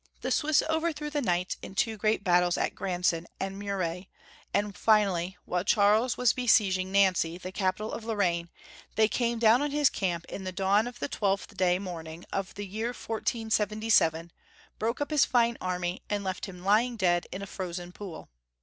The Swiss overthrew the knights in two great bat tles at Granson and Muret, and finally, while Charles was besieging Nancy, the capital of Lor raine, they came down on his camp in the dawn of the Twelfth day morning of the year 1477, broke up his fine army, and left him lying dead in a frozen pool.